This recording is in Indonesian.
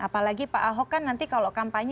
apalagi pak ahok kan nanti kalau kampanye